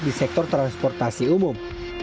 di sektor transportasi umum